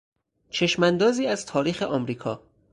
چشماندازی از تاریخ امریکا